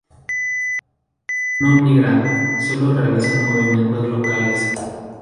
No migran, sólo realizan movimientos locales.